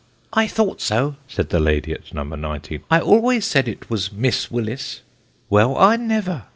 " I thought so," said the lady at No. 19 ; "I always said it was Miss Willis !"" Well, I never!"